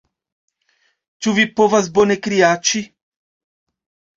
Ĉu vi povas bone kriaĉi?